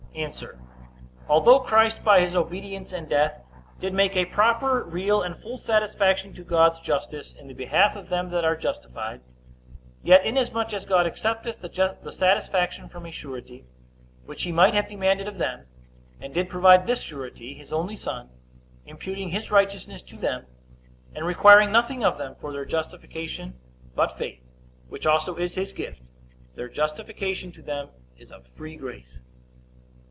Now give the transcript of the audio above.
A. Although Christ, by his obedience and death, did make a proper, real, and full satisfaction to God's justice in the behalf of them that are justified; yet inasmuch as God accepteth the satisfaction from a surety, which he might have demanded of them, and did provide this surety, his own only Son, imputing his righteousness to them, and requiring nothing of them for their justification but faith, which also is his gift, their justification is to them of free grace.